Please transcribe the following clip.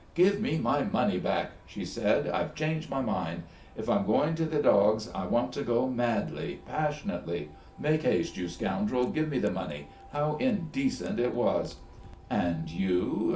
'Give me my money back,' she said. 'I've changed my mind. If I'm going to the dogs, I want to go madly, passionately. Make haste, you scoundrel, give me the money.' How indecent it was!" "And you